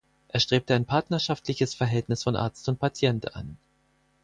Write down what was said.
Er strebte ein partnerschaftliches Verhältnis von Arzt und Patient an.